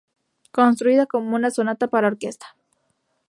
Construida como una sonata para orquesta.